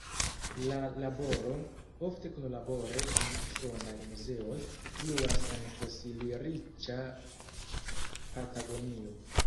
La laboro, ofte kunlabore kun usonaj muzeoj, pluas en fosili-riĉa Patagonio.